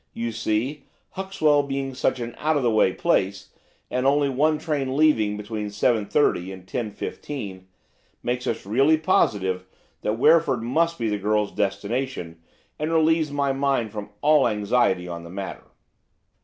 You see, Huxwell being such an out of the way place, and only one train leaving between 7.30 and 10.15, makes us really positive that Wreford must be the girl's destination and relieves my mind from all anxiety on the matter."